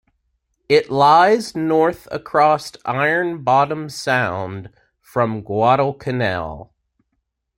It lies north across "Ironbottom Sound" from Guadalcanal.